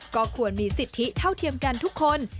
ก็ควรมีสิทธิเท่าเทียมกันทุกคน